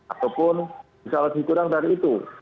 ataupun bisa lebih kurang dari itu